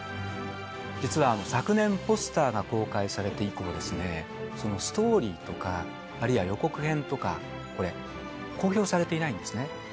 実は昨年、ポスターが公開されて以降、そのストーリーとか、あるいは予告編とか、これ、公表されていないんですね。